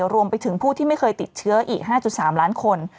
รวมไปถึงผู้ที่ไม่เคยติดเชื้ออีก๕๓ล้านคน